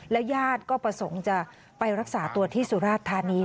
ญาติก็ประสงค์จะไปรักษาตัวที่สุราชธานี